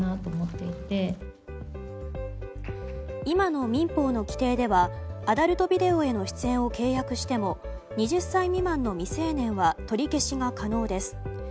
今の民法の規定ではアダルトビデオへの出演を契約しても２０歳未満の未成年は取り消しが可能です。